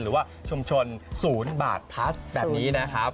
หรือว่าชุมชนศูนย์บาดพลัสแบบนี้นะครับ